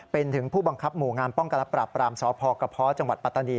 เป็นถึงผู้บังคับหมู่งานป้องกันและปราบปรามสพกระเพาะจังหวัดปัตตานี